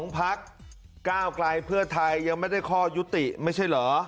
พักก้าวไกลเพื่อไทยยังไม่ได้ข้อยุติไม่ใช่เหรอ